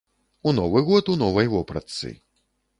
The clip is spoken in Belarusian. У новы год у новай вопратцы.